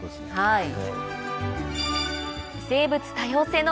はい。